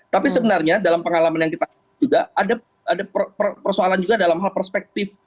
tapi sebenarnya dalam pengalaman yang kita juga ada persoalan juga dalam hal perspektif